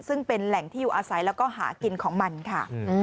ซึ่งเป็นแหล่งที่อยู่อาศัยแล้วก็หากินของมันค่ะ